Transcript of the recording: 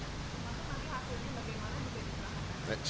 bagaimana hasilnya bagaimana